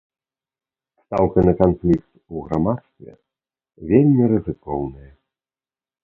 Стаўка на канфлікт у грамадстве вельмі рызыкоўная.